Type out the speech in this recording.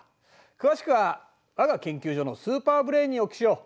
詳しくは我が研究所のスーパーブレーンにお聞きしよう。